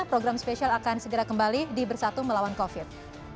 program spesial akan segera kembali di bersatu melawan covid